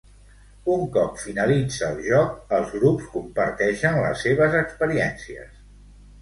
Un cop finalitza el joc, els grups comparteixen les seves experiències.